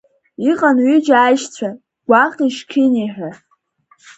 Иҟан ҩыџьа аишьцәа Гәаҟи Шьқьыни ҳәа.